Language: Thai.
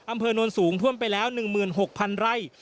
อำเภอนนท์สูงท่วมไปแล้ว๑๖๐๐๐ไร่